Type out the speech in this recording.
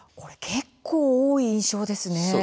結構多い印象ですね。